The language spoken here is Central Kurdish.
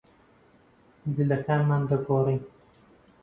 جلەکانمان دەگۆڕین.